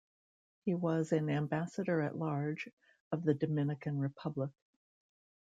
He was an Ambassador-at-Large of the Dominican Republic.